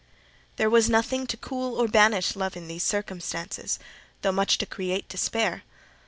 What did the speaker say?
There was nothing to cool or banish love in these circumstances, though much to create despair.